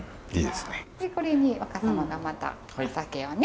でこれに若さまがまたお酒をね。